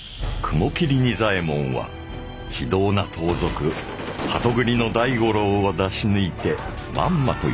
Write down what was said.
雲霧仁左衛門は非道な盗賊鳩栗の大五郎を出し抜いてまんまと